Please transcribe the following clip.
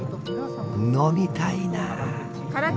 飲みたいなあ！